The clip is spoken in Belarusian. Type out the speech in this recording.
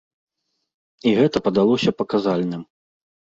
І гэта падалося паказальным.